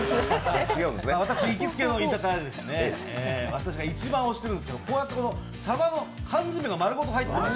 私、行きつけの居酒屋で私が一番推してるんですけどこうやってさばの缶詰が丸ごと入っているんです。